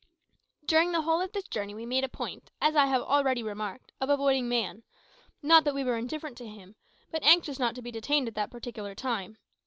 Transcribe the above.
During the whole of this journey we made a point, as I have already remarked, of avoiding man; not that we were indifferent to him, but anxious not to be detained at that particular time.